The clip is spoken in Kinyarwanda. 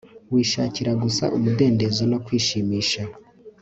wishakira gusa umudendezo no kwishimisha